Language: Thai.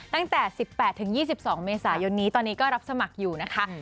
ตั้งแต่๑๘๒๒เมษายนนี้ตอนนี้ก็รับสมัครอยู่นะคะ